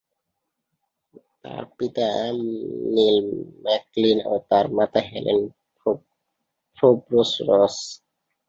তার পিতা নিল ম্যাকলিন এবং মাতা হেলেন ফোর্বস রস।